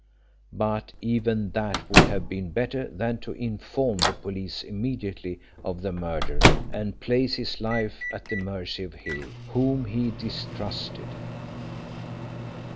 But even that would have been better than to inform the police immediately of the murder and place his life at the mercy of Hill, whom he distrusted."